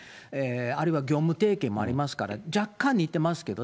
あるいは業務提携もありますから、若干、似てますけど。